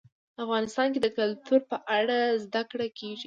افغانستان کې د کلتور په اړه زده کړه کېږي.